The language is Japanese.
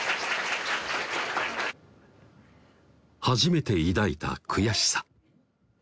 初めて抱いた悔しさ